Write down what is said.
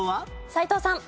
斎藤さん。